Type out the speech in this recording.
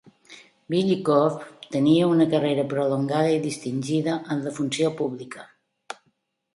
Billikopf tenia una carrera prolongada i distingida en la funció pública.